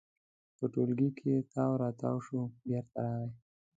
په ټولګي کې تاو راتاو شو، بېرته راغی.